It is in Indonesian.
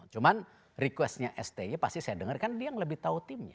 cuma requestnya sti pasti saya dengar kan dia yang lebih tahu timnya